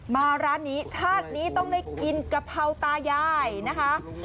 มาร้านนี้ชาตินี้ต้องได้กินกะเพราตายายนะคะ